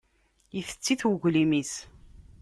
Itett-it uglim-is.